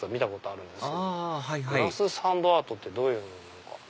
ああはいはいグラスサンドアートってどういうものなのか。